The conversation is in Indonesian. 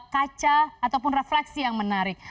kaca ataupun refleksi yang menarik